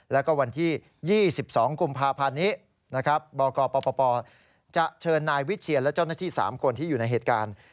แล้วก็วันที่๒๒กุมภาพันธ์นี้นะครับบกปปจะเชิญนายวิเชียนและเจ้าหน้าที่๓คนที่อยู่ในเหตุการณ์